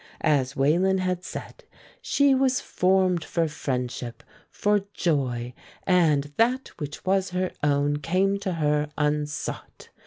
As Wayland had said, she was formed for friendship, for joy; and that which was her own came to her unsought.